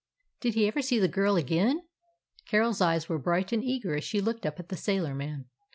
"Did he ever see the girl again?" Carol's eyes were bright and eager as she looked up at the sailor man.